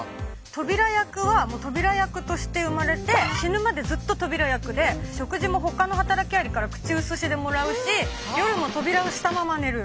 トビラ役はトビラ役として生まれて死ぬまでずっとトビラ役で食事も他の働きアリから口移しでもらうし夜もトビラをしたまま寝る。